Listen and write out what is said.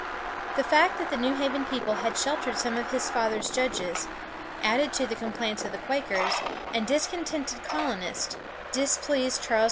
The fact that the New Haven people had sheltered some of his father's judges, added to the complaints of the Quakers and discontented colonists, displeased Charles II.